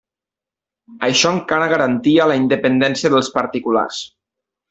Això encara garantia la independència dels particulars.